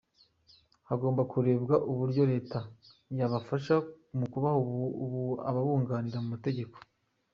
Hagomba kurebwa uburyo Leta yabafasha mu kubaha ababunganira mu mategeko.